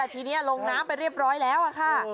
ทีนี้ลงน้ำไปเรียบร้อยแล้วค่ะ